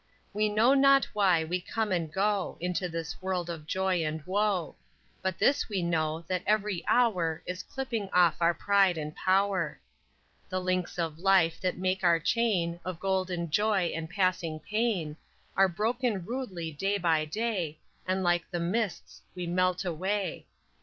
_ _We know not why we come and go Into this world of joy and woe, But this we know that every hour Is clipping off our pride and power._ _The links of life that make our chain Of golden joy and passing pain, Are broken rudely day by day, And like the mists we melt away.